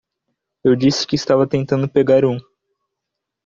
Eu disse que estava tentando pegar um.